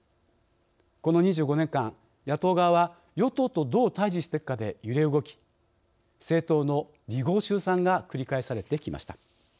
この２５年間、野党側は与党とどう対じしていくかで揺れ動き政党の離合集散が繰り返されてきました。